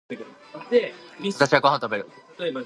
私はご飯を食べる。